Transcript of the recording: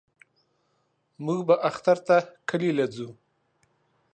موږ به اختر ته کلي له زو.